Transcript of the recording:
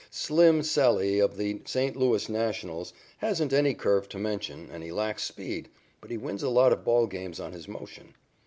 "Slim" Sallee of the St. Louis Nationals hasn't any curve to mention and he lacks speed, but he wins a lot of ball games on his motion.